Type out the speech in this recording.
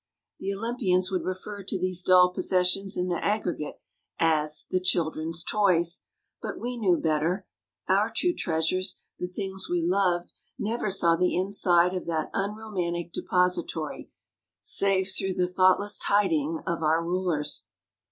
The Olympians 56 ON NURSERY CUPBOARDS 57 would refer to these dull possessions in the aggregate as " the children's toys "; but we knew better. Our true treasures, the things we loved, never saw the inside of that unromantic depository save through the thoughtless tidying of our rulers.